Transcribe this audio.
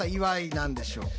何でしょうか？